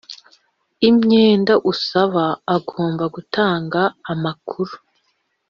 imyenda usaba agomba gutanga amakuru